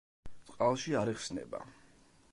წყალში არ იხსნება.